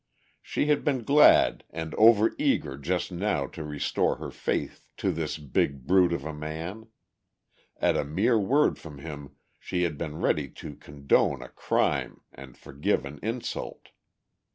She had been glad and over eager just now to restore her faith to this big brut of a man; at a mere word from him she had been ready to condone a crime and forgive an insult....